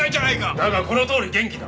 だがこのとおり元気だ。